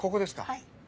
はい。